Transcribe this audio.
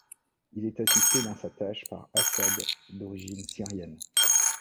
Il est assisté dans sa tâche par Assad, d’origine syrienne.